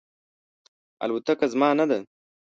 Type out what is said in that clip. الوتکه زما نه ده